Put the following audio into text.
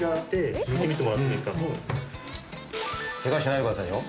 ケガしないでくださいよ。